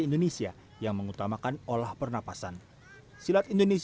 dan juga olimpiade